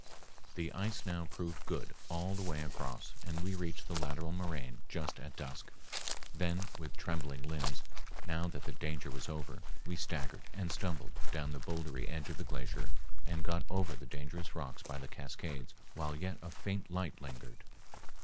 The ice now proved good all the way across, and we reached the lateral moraine just at dusk, then with trembling limbs, now that the danger was over, we staggered and stumbled down the bouldery edge of the glacier and got over the dangerous rocks by the cascades while yet a faint light lingered.